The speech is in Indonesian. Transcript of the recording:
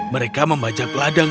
mereka membajak ladang